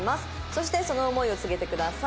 そしてその思いを告げてください。